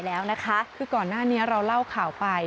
เมื่อก่อนหน้านี้เราเล่าข่าวไป